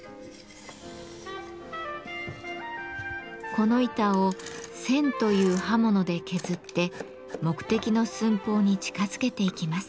この板を「銑」という刃物で削って目的の寸法に近づけていきます。